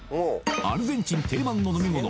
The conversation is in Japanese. アルゼンチン定番の飲み物